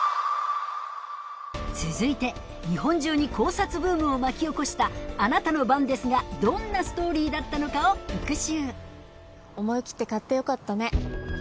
続いて日本中に考察ブームを巻き起こした『あなたの番です』がどんなストーリーだったのかを復習思い切って買ってよかったね。